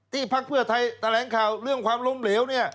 ที่พักเพื่อไทยแถลงข่าวเรื่องความรมเหลว